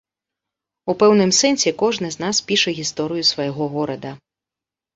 У пэўным сэнсе кожны з нас піша гісторыю свайго горада.